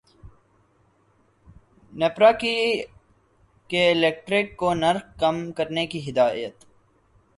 نیپرا کی K electric کو نرخ کم کرنے کی ہدایت